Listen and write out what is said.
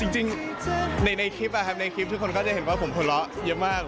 จริงในคลิปทุกคนก็จะเห็นว่าผมโขละเยอะมาก